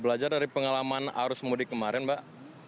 belajar dari pengalaman arus mudik kemarin mbak